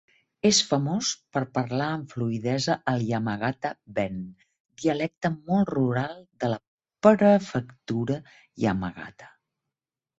És famós per parlar amb fluïdesa el Yamagata-ben, dialecte molt rural de la Prefectura Yamagata.